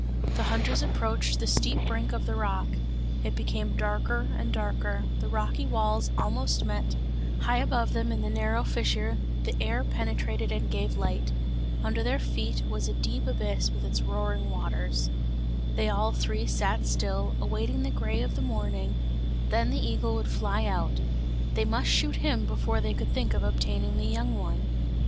The hunters approached the steep brink of the rock; it became darker and darker, the rocky walls almost met; high above them in the narrow fissure the air penetrated and gave light. Under their feet there was a deep abyss with its roaring waters. They all three sat still, awaiting the grey of the morning; then the eagle would fly out; they must shoot him before they could think of obtaining the young one.